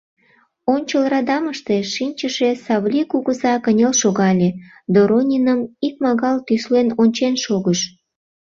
Ончыл радамыште шинчыше Савлий кугыза кынел шогале, Дорониным икмагал тӱслен ончен шогыш.